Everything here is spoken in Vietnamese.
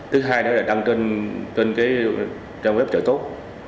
thứ hai nữa là đăng trên trang web trợ tốt